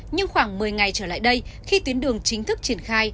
nhưng khoảng một mươi ngày trở lại đây khi tuyến đường chính thức triển khai